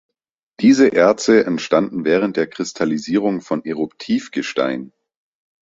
Diese Erze entstanden während der Kristallisierung von Eruptivgestein.